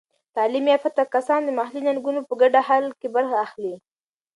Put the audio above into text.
تعلیم یافته کسان د محلي ننګونو په ګډه حل کې برخه اخلي.